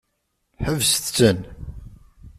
Ḥebset-ten!